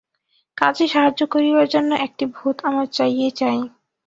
কাজে সাহায্য করিবার জন্য একটি ভূত আমার চাই-ই-চাই।